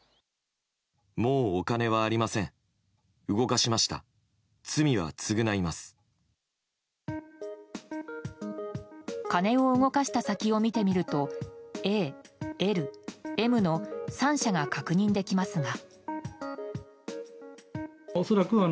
金を動かした先を見てみるとＡ、Ｌ、Ｍの３社が確認できますが。